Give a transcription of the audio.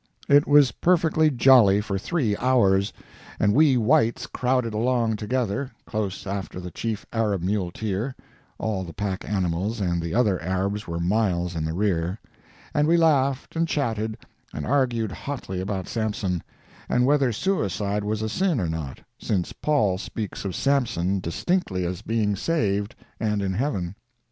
It was perfectly jolly for three hours, and we whites crowded along together, close after the chief Arab muleteer (all the pack animals and the other Arabs were miles in the rear), and we laughed, and chatted, and argued hotly about Samson, and whether suicide was a sin or not, since Paul speaks of Samson distinctly as being saved and in heaven.